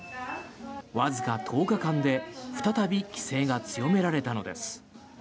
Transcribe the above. わずか１０日間で再び規制が強められたのです。